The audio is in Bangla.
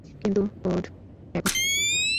কিন্তু ওর্ড এখন অতীত ইতিহাসই।